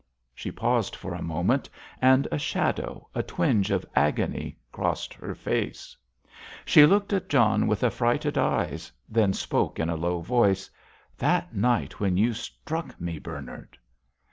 She paused for a moment, and a shadow, a twinge of agony crossed her face. She looked at John with affrighted eyes, then spoke in a low voice. "That night when you struck me, Bernard!"